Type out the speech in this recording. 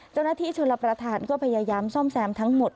เจ้าหน้าที่ชนรับประทานก็พยายามซ่อมแซมทั้งหมด